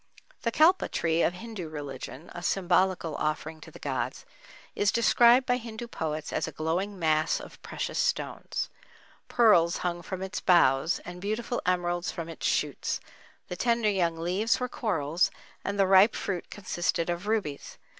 The Kalpa Tree of Hindu religion, a symbolical offering to the gods, is described by Hindu poets as a glowing mass of precious stones. Pearls hung from its boughs and beautiful emeralds from its shoots; the tender young leaves were corals, and the ripe fruit consisted of rubies.